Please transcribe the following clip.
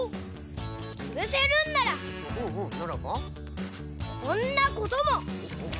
つぶせるんならこんなことも！